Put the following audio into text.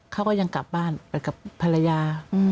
เขาก็ยังกลับบ้านไปกับภรรยา